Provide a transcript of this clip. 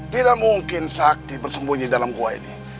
tidak mungkin sakti bersembunyi dalam gua ini